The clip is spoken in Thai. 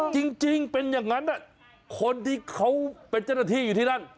จริงเป็นอย่างนั้นคนที่เขาเป็นเจ้าหน้าที่อยู่ที่นั่น